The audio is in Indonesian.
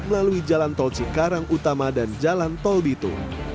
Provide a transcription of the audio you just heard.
melalui jalan tol cikarang utama dan jalan tol bitu